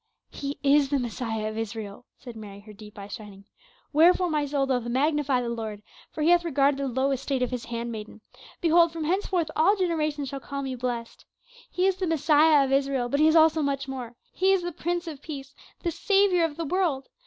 "He is the Messiah of Israel," said Mary, her deep eyes shining. "Wherefore my soul doth magnify the Lord, for he hath regarded the low estate of his hand maiden; behold from henceforth all generations shall call me blessed. He is the Messiah of Israel, but he is also much more, he is the Prince of Peace, the Saviour of the world.